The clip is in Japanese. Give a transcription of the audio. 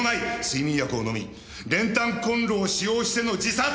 睡眠薬を飲み練炭コンロを使用しての自殺。